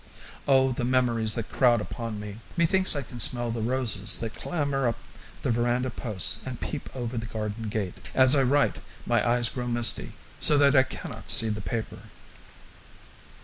Oh, the memories that crowd upon me! Methinks I can smell the roses that clamber up the veranda posts and peep over the garden gate. As I write my eyes grow misty, so that I cannot see the paper.